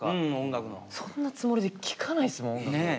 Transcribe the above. そんなつもりで聴かないですもん音楽。